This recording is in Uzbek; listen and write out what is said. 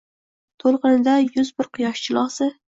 To’lqinida yuz bir quyosh jilosi